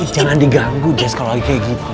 jangan diganggu jazz kalau lagi kayak gitu